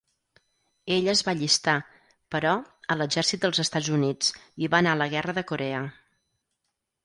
Ell es va allistar, però, a l'exèrcit dels Estats Units i va anar a la guerra de Corea.